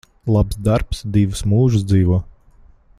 Labs darbs divus mūžus dzīvo.